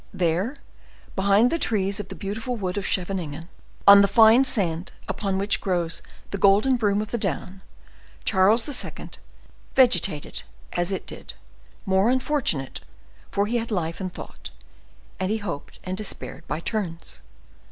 There, behind the trees of the beautiful wood of Scheveningen, on the fine sand upon which grows the golden broom of the down, Charles II. vegetated as it did, more unfortunate, for he had life and thought, and he hoped and despaired by turns.